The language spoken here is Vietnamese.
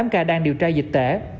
tám ca đang điều tra dịch tễ